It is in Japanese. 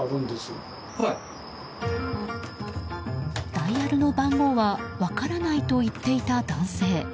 ダイヤルの番号は分からないと言っていた男性。